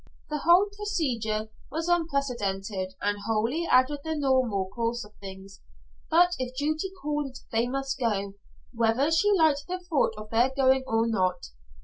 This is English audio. The whole procedure was unprecedented and wholly out of the normal course of things, but if duty called, they must go, whether she liked the thought of their going or not.